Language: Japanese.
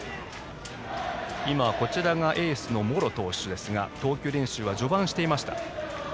こちらがエースの茂呂投手ですが投球練習は序盤していました。